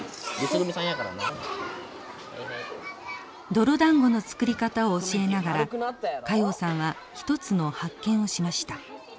泥だんごの作り方を教えながら加用さんは一つの発見をしました。